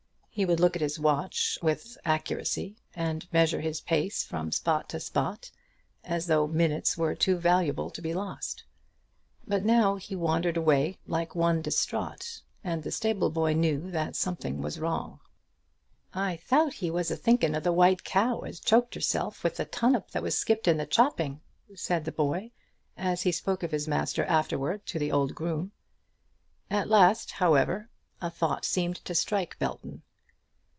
He would look at his watch with accuracy, and measure his pace from spot to spot, as though minutes were too valuable to be lost. But now he wandered away like one distraught, and the stable boy knew that something was wrong. "I thout he was a thinken of the white cow as choked 'erself with the tunnup that was skipped in the chopping," said the boy, as he spoke of his master afterwards to the old groom. At last, however, a thought seemed to strike Belton.